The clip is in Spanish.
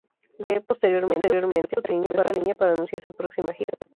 Lee posteriormente utilizó esta línea para anunciar su próxima gira de pie.